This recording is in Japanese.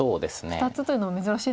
２つというのも珍しいですよね。